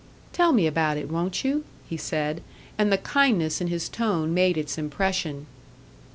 "Tell me about it, won't you?" he said; and the kindness in his tone made its impression.